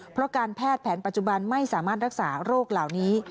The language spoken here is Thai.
เพราะการแพทย์แผนปัจจุบันไม่สามารถรักษาโรคเหล่านี้